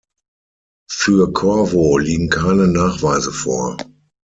Für Corvo liegen keine Nachweise vor.